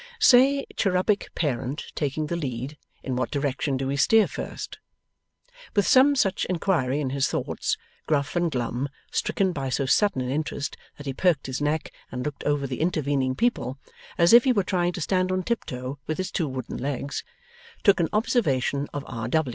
Say, cherubic parent taking the lead, in what direction do we steer first? With some such inquiry in his thoughts, Gruff and Glum, stricken by so sudden an interest that he perked his neck and looked over the intervening people, as if he were trying to stand on tiptoe with his two wooden legs, took an observation of R.